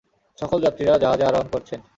সকল যাত্রীরা জাহাজে আরোহণ করছেন!